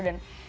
dan kita masih